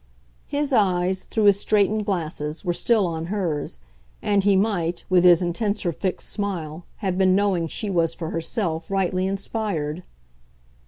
His eyes, through his straightened glasses, were still on hers, and he might, with his intenser fixed smile, have been knowing she was, for herself, rightly inspired.